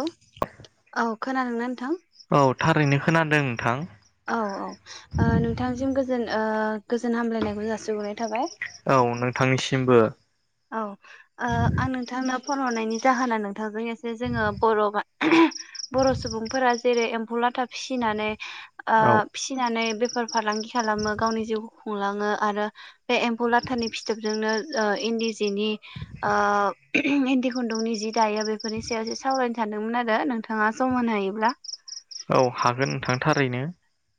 हेल औ खोनादोंना नोंथां? औ थारैनो खोनादों नोंथां औ औ नोंथांसिम गोजोन गोजोन हामलायनायखौ जासिहाय। औ नोंथांनिसिमबो। औ आं नोंथांनो फन हरनायनि जाहोना नोंथांजों एसे जोङो बर' बर' सुबुंफोरा जेरै एम्फौ लाथा फिसिनानै औ फिसिनानै बे फालांगि खालामो गावनि जिउखौ खुंङो आरो बे एम्फौ लाथनि फिथोबजोंनो इ जिनि इन्दि खुन्दुंनि जि दायो बेफोरनि सायाव एसे सावरायनो सानदोंमोन आरो। नोंथाङा समान हायोब्ला औ हागोन नोंथांथारैनो ।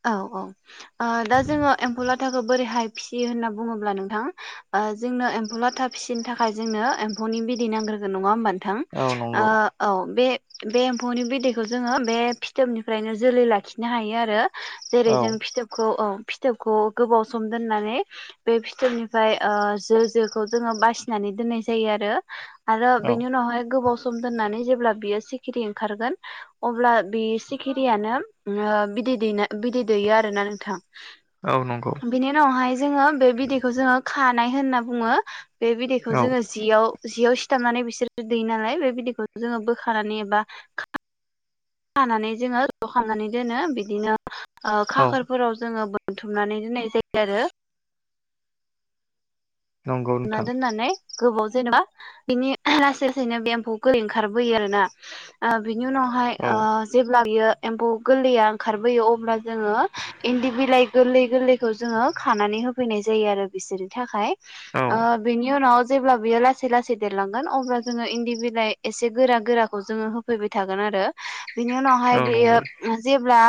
औ औ दा जोङो एम्फौ लाथाखौ बोरैहाय फिसियो होनना बुङोब्ला नोंथां। जोंनो एम्फौ लाथा फिसिनो थाखाय जोंनो एम्फौनि बिदै नांग्रोगोन नङा होममोन। नथ औ नंगौ औ बे बे एम्फौनि बिदैखौ जोङो बे फिथोबनिफ्रायनो जोलै लाखिनो हायो आरो जेरै औ जों फिथोबखौ । फिथोबखौ गोबाव सम दोननानै बे फिथोबनिफ्राय जो जोखौ जोङो बासिनानै नाय औ जनिावबाव सम दोननानै जेब्ला बियो सिखिरि ओंखारगोन अब्ला बे सिखिरियानो बिदै दैनो बिदै दैयो आरोोना औ नंगौ नोंथां बिनि उनावहाय जोङो बे बिदैखौ जोङो खानाय होनना बुङो बे बिदैखौ औ जोङो जियाव जियाव खथाबनानै बिसोर दै नालाय बे बिदैखौ जोङो बोखानानै एबा हानानै जोङो जखांनानै दोनो बिदिनो औ खाखोरफोराव जोङो बोनथुमनानै दोननाय जायो आरो नंगौ नोंथां नादोंान ने गोबाव जेनेबा बिनि लासै लासैनो बे एम्फौखौ ओंखारबोयो आर ना बिनि उनावहाय औ जेब्ला बियो एम्फौ गोरलैया ओंखारबोयो अब्ला जोङो इन्दि बिलाइ गोरलै गोरलैखौ जोङो खानानै होफैनाय जायो आरो बिसोरनि थाखाय औ आ बिनिय नाव जेब्ला बियो लासै लासै देरलांगोन अब्ला जोङो इन्दि बिलाइ एसे गोरा गोराखौ जोङो होफैबाय थागोन आरो आरो बिनि उनावहाय औ बेयो नंगौ जेब्ला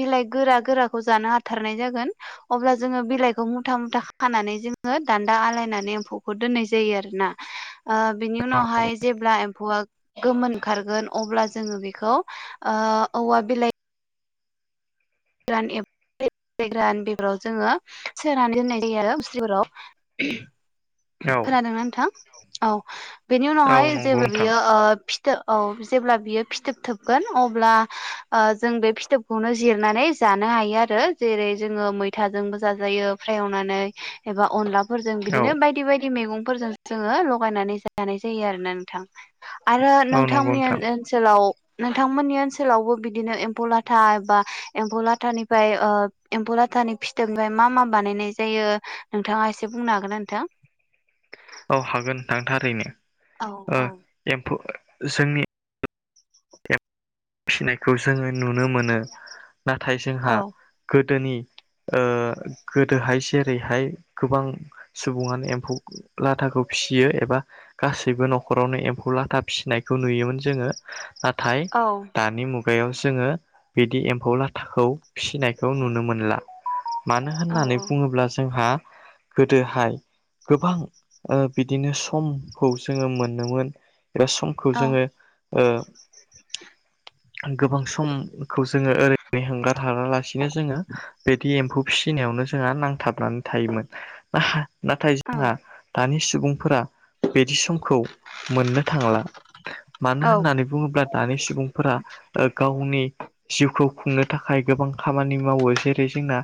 बिलाइ गोरा गोराखौ जानो हाथारनाय जागोन अब्ला जोङो बिलाइखौ मुथां मुथा खानानै जोङो दान्दा आलायनानै एम्फौखौ दोननाय जायो आरोोना बिनि औ उनावहाय जेब्ला एम्फौआ गोमोन ओंखारगोन अब्ला जोङो बेखौ औवा बिलाइ जान ए ायग्रा उ बेफोराव जोङो सोनानै दोननाय जायो आरो मुस्रिफोराव खोनादोंना नोंथां औ बेनि औ उनावहाय नंगौ जेबो नोंथां बियो औ जेब्ला बियो फिथोब थोबगोन अब्ला जों बे फिथोबखौनो जिरनानै जानो हायो आरो जेरै जोङो मैथाजोंबो जाजायो फ्राय एवनानै एबा अनला फोरजों औ बिदिनो बायदि बायदि मैगंफोरजों जोङो लगायनानै जानाय जायो आरो ना नोंथां आरो औ नंगौ नोंथांमोननि ओन नोंथां ओनसोलाव नोंथांमोननि ओनसोलावबो बिदिनो एम्फौ लाथा एबा एम्फौ लाथानिफ्राय ओ एम्फौ लाथानि फिथोबनिफ्राय मा मा बानायनाय जायो नोंथाङा एसे बुंनो हागोना नोंथां औ ओरैनो ओ एम्फौ ओ जोंनि फिनायखौ जोङो नुनो मोनो नाथाय जोंहा औ गोदोनि ओ गोदोहाय जेरैहाय गोबां सुबुङानो एम्फौ लाथाखौ फियो एबा गासैबो नखरावनो एम्फौ लाथा फिनायखौ नुयोमोन जोङो नाथाय औ दानि मुगायाव जोंङो बिदि एम्फौ लाथाखौ फिसिनायखौ नुनो मोनला मानो औ होननानै बुंङोब्ला जोंहा गोदोहाय गोबां ओ बिदिनो समखौ जोंङो मोनोमोन एबा समखौ औ जोंङो ओ गोबां सम खौ जोङो ओरैनो होंगार हाला लासिनो जोंङो बिदि एम्फौ फिसिनायावनो जोंहा नांथाबनानै थायोमोन नाहा नाथाय जोंहा औ दानि सि बुंफोरा बिदि समखौ मोननो थांला मानो औ होननानै बुंङोब्ला दानि सुबुं ओ गावनि जिउखौ खुंनो थाखाय गोबां खामानि मावो जेरै जोंना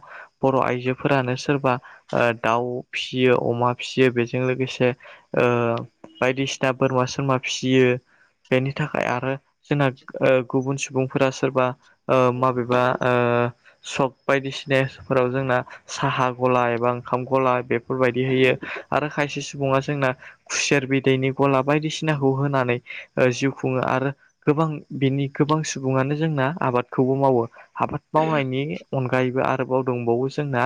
बर आइजोफोरानो सोरबा ओ दाउ फिसियो अमा फिसियो बेजों लोगोसे ओ बायदिसिनाफोर मवा सोरमा फियो बेनि थाखाय आरो जोंना ओ गुबुन सुबुंफोरा सोरबा ओ माबेबा ओ सब बायदिसिना सफोराव जोंना साहा गला एबा ओंखाम गला बे फोरबायदि होयो आरो खायसे सु बुङा जोंना खुसेर बिदैनि गला बायदिसिनाखौ होनानै ओ जिउ खुंङो आरो गोबां बिनि गोबां सुबुङानो जोंना आबादखौबो मावो आबाद मावनायनि अनगायैबो आर रोबाव दंबावो जोंना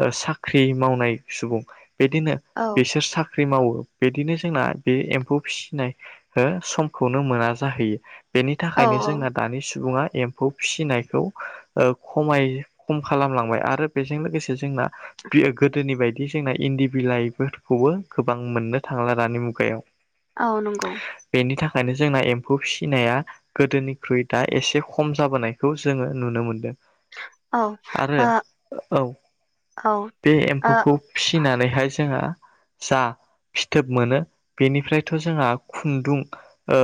ओ साख्रि मावनाय सुबुं बिदिनो औ बिसोर साख्रि मावो बिदिनो जोंना बे एम्फौ फिसिनाय ओ समखौनो मोना जाहैयो बेनि थाखायनो औ जोंहा दानि सुबुंङा एम्फौ फिसिनायखौ ओ खमाय खम खालामलांबाय आरो बेजों लोगोसे जोंना बियो गोदोनि बायदि जोंना इन्दि बिलाइफोरखौबो गोबां मोननो थांला दानि मुगायाव औ नोंगौ ओंखायनो जोंना एम्फौ फिसिनाया गोदोनिख्रुइ दा एसे खम जाबोनायखौ जोंङो नुनो मोनदों औ आरो आ औ बे एम्फौखौ फिसिनानैहाय जोंङो जा फिथोब मोनो बेनिफ्रायथ जोंहा खुन्दुं ओ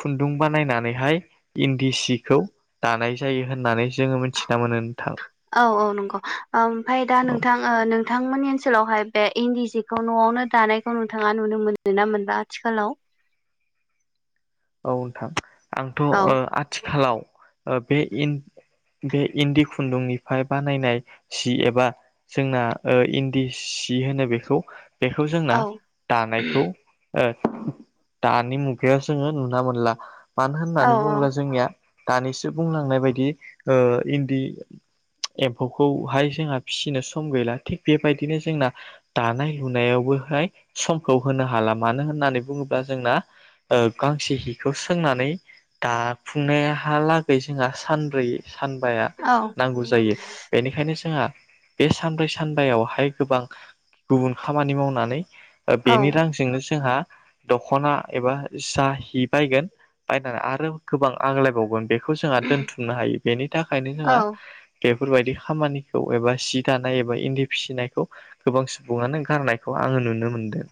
खुन्दुं बानायनानैहाय इन्दि सिखौ दानाय जायो होननानै नो मिथिना मोनो नोंथां औ औ नंगौ ओमफाय दा औ नोंथां ओ नोंथांमोननि ओनसोलावहाय बे इन्दि जिखौ नआवनो दानायखौ नोंथांङा नुनो मोनो ना मोनबा आथिखालाव औ नोंथां आंथ औ ओ आथिखालाव ओ बे इन दि इन्दि खुन्दुंनिफाय बानायनाय सि एबा जोंना ओ इन्दि सि सि होनो बेखौ बेखौ जोंना औ दानायखौ ओ दानि मुगायाव जोंङो नुनो दा मोनला मानो औ होननानै बुंङोब्ला जोंनिया दानिसो बुंलांनाय बायदि ओ इन्दि एम्फौखौहाय जोंहा फिसिनो सम गैला थिग बेबायदिनो जोंना दानाय लुनायावबो हाय समखौ होनो हाला मानो होननानै बुंङोब्ला जोंना ओ थिक हिखौ सोंनानै दाफुंनायहालागै जोंहा सानब्रै सानबाया औ नांगौ जायो बेनिखायनो जोंहा बे सानब्रै सानबायावहाय गोबां गुबुन खामानि मावनानै ओ औ बेनि रांजोंनो जोंहा दखना एबा जा हि बायगोन बायनानै आरो गोबां आंग्लायबावगोन बे खौ जोंहा दोनथुमनो हायो बेनि थाखायनो औ जोंहा बेफोरबायदि खामानिखौ एबा सि दानाय एबा इन्दि फिसिनायखौ गोबां सुबुंङानो गारनायखौ आङो नुनो मोनदो।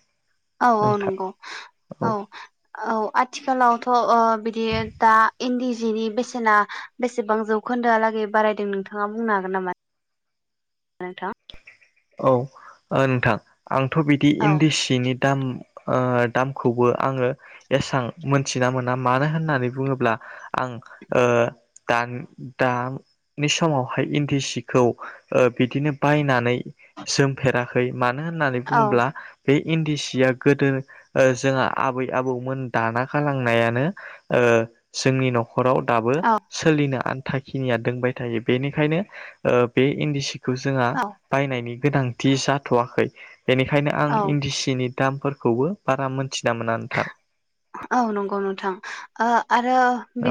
औ औ नंगौ औ । आथिखालावथ' ओ बिदि दा इन्दि जिनि बेसेना बेसेबां जौखोन्दोआलागै बारायदों नोंथाङा बुंनो हागोन नामा नोंथां? औ ओ नोंथां आंथ' बिदि औ इन्दि सिनि दाम ओ दामखौबो आङो एसां मोनथिना मोना मानो होननानै बुंङोब्ला आं ओ दान दा बि समावहाय इन्दि सिखौ ओ बिदिनो बायनानै जोमफेराखै मानो होननानै औ बुंङोब्ला बे इन्दि सिया गोदो ओ जोंङा आबै आबौमोन दाना गालांनायानो ओ ओ जोंनि न खराव दाबो औ सोलिनो आन्थाखिनिया दोंबाय थायो बेनिखायनो ओ बे इन्दि सि खौ जोंहा औ बायनायनि गोनांथि जाथ'वाखै बेनिखायनो आं औ इन्दि सिनि दामफोरखौबो बारा मोन्थिना मोना नोंथां। औ नंगौ नोंथां ओ आरो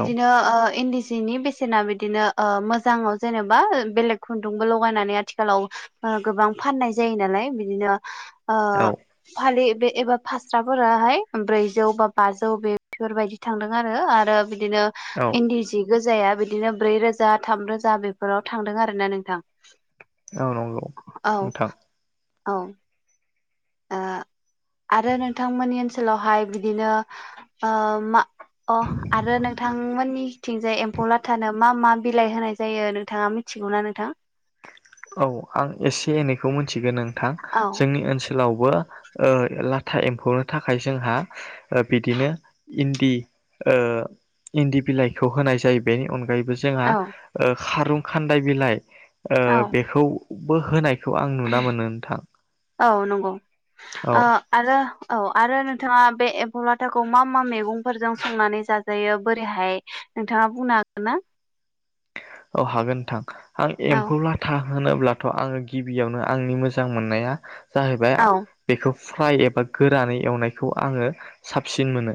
औ ओ इन्दि सिनि बेसेना बे दिनो ओ मोजांआव जेनेबा बेलेग खुन्दुंबो लगायनानै आथिखालाव ओ गोबां फाननाय जायो नालाय बिदिनो ओ औ फालि बे एबा फास्राफोराहाय ब्रैजौ बा बाजौ बेफोरबायदि थांदों आरो आरो बिदिनो औ इन्दि जि गो जाया बिदिनो ब्रै रोजा थाम रोजा बेफोराव थांदों आरोना नोंथां औ नंगौ औ नोंथां। औ। ओ आरो नोंथांमोननि ओनसोलावहाय बिदिनो ओ मा अ आरो नोंथांमोननिथिंजाय एम्फौ लाथानो मा मा बिलाइ होनाय जायो नोंथाङा मिथिगौना नोंथां? औ आं एसे एनैखौ मिथिगोन नोंथां औ जोंनि ओनसोलाव बो ओ लाथा एम्फौनो थाखाय जोंहा बिदिनो इन्दि ओ इन्दि बिलाइखौ होनाय जायो बेनि अन गायैबो जोंहा औ ओ खारुं खान्दाय बिलाइ ओ औ बेखौबो होनाय खौ आं नुना मोनो नोंथां। औ नंगौ ओ औ आरो औ आरो नोंथाङा बे एम्फौ लाथाखौ मा मा मैगंफोरजों संनानै जाजायो बोरैहाय नोंथाङा बुंनो हागोन ना? औ हागोन नोंथां आं औ एम्फौ लाथा होनोब्लाथ' आङो गिबियावनो आंनि मोजां मोननाया जाहैबाय औ बेखौ फ्राय एबा गोरानै एवनायखौ आङो साबसिन मोनो।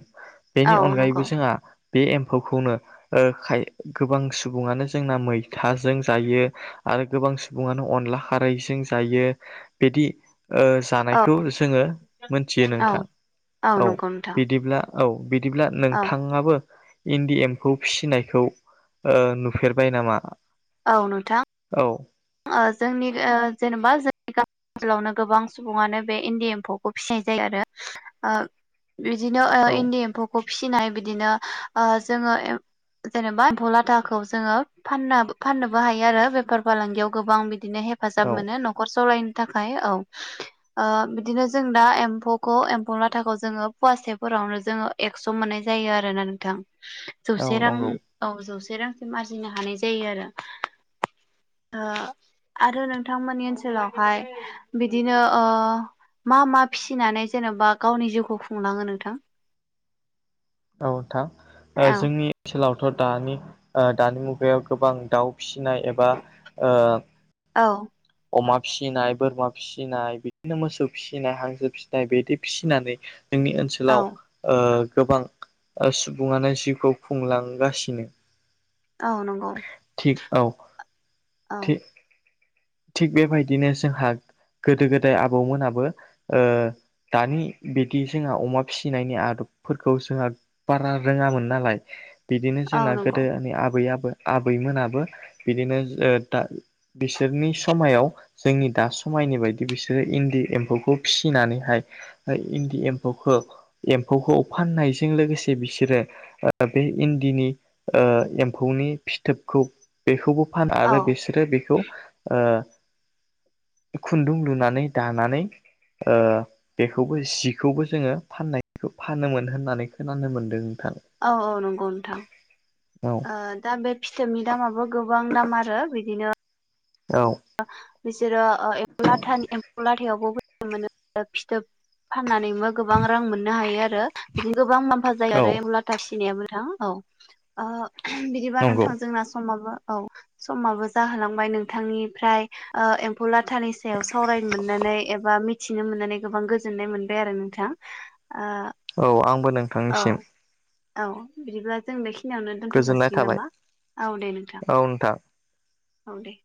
बेनि औ अनगायैबो नंगौ जोंहा बे एम्फौखौनो ओ खाय गोबां सुबुङानो जोंना मैथाजों जायो आरो गोबां सुबुङानो अनला खारैजों जायो बिदि ओ औ जानायखौ जोङो मोनथियो औ नोंथां औ नंगौ नोंथां बिदिब्ला औ बिदिब्ला औ नोंथाङाबो इन्दि एम खौ फिसिनायखौ ओ नु फेरबाय नामा? औ नोंथां। औ ओ जोंनि ओ जेनेबा जोंनि ओनसोलावनो गोबां सुबुङानो बे इन्दि एम्फौखौ फिसिनाय जायो आरो ओ बिदिनो ओ औ इन्दि एम्फौखौ फिसिनाय बिदिनो ओ जोङो। जेनेबा एम्फौ लाथाखौ जोङो फाननो फाननोबो हायो आरो बेफार फालांगियाव। गोबां बिदिनो औ हेफाजाब मोनो न'खर सलायनो थाखाय औ ओ बिदिनो जों दा एम्फौखौ एम्फौ लाथाखौ जोङो फवासेफोराव फोरावनो जोंङो एक्स मोननाय जायो आरोना नोंथां औ जौसे रां नंगौ औ जौसे जौसे रांसिम आरजिनो हानाय जायो आरो ओ आरो नोंथांमोननि ओनसोलावहाय बिदिनो ओ। मा मा फिसिनानै जेन'बा गावनि जिउखौ खुंलाङो नोंथां। औ नोंथां ओ औ जोंनि ओनसोलाव थ' दानि दानि मुगायाव गोबां दाउ फिसिनाय एबा ओ औ अमा फिसिनाय बोरमा फिसिनाय बिदिनो मोसौ फिसिनाय हांसो फिसिनाय बिदि फिसिनानै जोंनि औ ओनसोलाव ओ गोबां सुबुङानो जिउखौ खुंलांगासिनो औ नंगौ औ औ थि थिग बेबायदिनो जोंहा गोदो गोदाय आबौमोनाबो ओ दानि बिदि जोंहा अमा फिसिनायनि आदबफोरखौ जोंहा बारा रोङामोन नालाय बिदिनो औ जोंना नंगौ गोदोनि आबै आबौ आबै मोनाबो बिदिनो दा बिसोरनि समायाव जोंनि दा समायनि बायदि बिसोरो इन्दि एम्फौखौ फिसिनानै हाय इन्दि एम्फौखौ एम्फौखौ फाननायजों लोगोसे बिसोरो बे ओ बे इन्दिनि एम्फौनि फिथोबखौ बेखौबो फानो औ आरो बिसोरो बेखौ [inaudible] ओ खुन्दुं लुनानै दानानै ओ बेखौबो जिखौबो जोङो फाननायखौ फानोमोन होननानै खोनानो मोनदों औ औ नंगौ नोंथां औ ओ दा बे फिथोबनि दामाबो गोबां गोबां दाम आरो बिदिनो औ बिसोरो ओ एम्फौ लाथानि एम्फौ राहायावबो मोनो फिथोब फाननानैबो गोबां रां मोननो हायो आरो बिदिनो गोबां मुलाम्फा जायो औ आरो एम्फौ लाथा फिसिनायाबो नोंथां औ बिदिबा नंगौ नोंथां जोंना समाबो औ समाबो जाहोलांबाय नोंथांनि आमफ्राय ओ एम्फौ लाथानि सायाव सावरायनो मोननानै एबा मि मिथिनो मोननानै गोबां गोजोननाय मोनबाय आरो नोंथां ओ औ आंबो औ नोंथांनिसिम औ बिदिब्ला जों बे खिनि बेखिनियावनो दोनथ' गोजोननाय जासिगोन थाबाय नामा औ दे नोंथां औ दे।